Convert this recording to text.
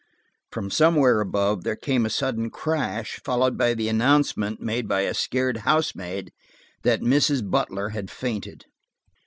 From somewhere above, there came a sudden crash, followed by the announcement, made by a scared housemaid, that Mrs. Butler had fainted.